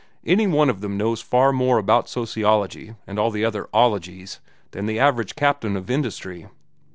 Any one of them knows far more about sociology and all the other ologies than the average captain of industry.